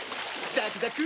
ザクザク！